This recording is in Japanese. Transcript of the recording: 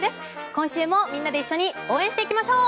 今週もみんなで一緒に応援していきましょう。